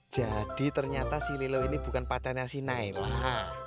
jadi ternyata si lilo ini bukan pacarnya si nailah